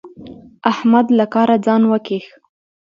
احمد له کاره ځان وکيښ.